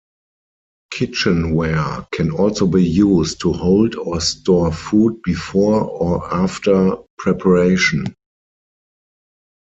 Kitchenware can also be used to hold or store food before or after preparation.